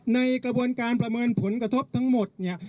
ในกระบวนการประเมินผลกระทบทั้งหมดเนี่ย